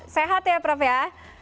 sehat ya prof ya